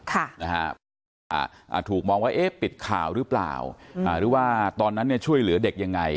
เพราะว่าอ่าถูกมองว่าเอ๊ะปิดข่าวหรือเปล่าหรือว่าตอนนั้นเนี่ยช่วยเหลือเด็กยังไง